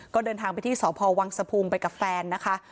ก็เดินทางไปที่สพวังสะพุงไปกับแฟนนะคะ